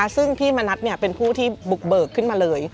ซึ่งพี่มณัฐเป็นผู้ที่บุกเบิกขึ้นมาเลย